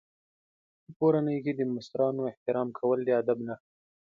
په کورنۍ کې د مشرانو احترام کول د ادب نښه ده.